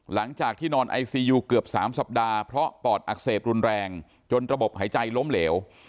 หลังจากที่นอนไอซียูเกือบ๓สัปดาห์เพราะปอดอักเสบรุนแรงจนระบบหายใจล้มเหลว